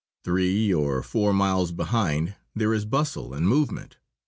Three or four miles behind there is bustle and movement.